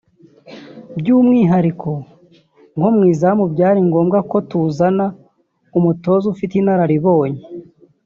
by’umwihariko nko mu izamu byari ngombwa ko tuzana umutoza ufite inararibonye